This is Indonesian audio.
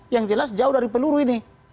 yang jelas jauh dari peluru ini